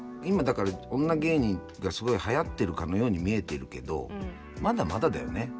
今だから女芸人がすごいはやってるかのように見えてるけどまだまだだよね